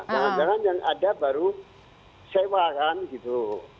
jangan jangan yang ada baru sewa kan gitu